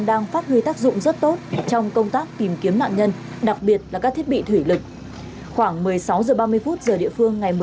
đã ghi nhận cái sự nỗ lực cố gắng của nhau đặc biệt là sự nỗ lực của phía việt nam